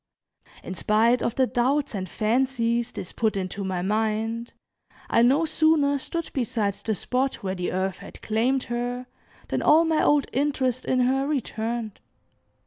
In spite of the doubts and fancies this put into my mind, I no sooner stood beside the spot where the earth had claimed her, than all my old interest in her returned.